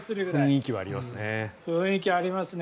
雰囲気ありますね。